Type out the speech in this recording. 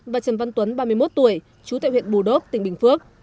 và trần văn tuấn ba mươi một tuổi chú tại huyện bù đốc tỉnh bình phước